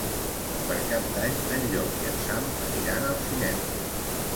Per Cap d'Any en Llop i en Sam aniran al cinema.